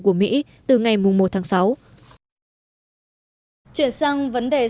của mỹ từ ngày một tháng sáu